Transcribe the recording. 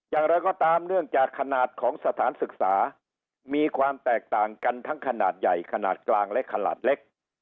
อย่างไรก็ตามเนื่องจากขนาดของสถานศึกษามีความแตกต่างกันทั้งขนาดใหญ่ขนาดกลางและขนาดเล็ก